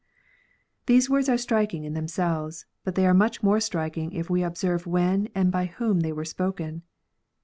These words are striking in themselves; but they are much more striking if we observe when and by whom they were spoken.